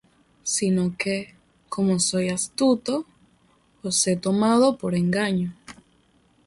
sino que, como soy astuto, os he tomado por engaño.